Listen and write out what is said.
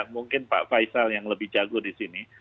mungkin pak faisal yang lebih jago di sini